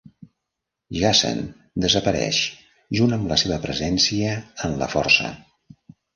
Jacen desapareix, junt amb la seva presència en la Força.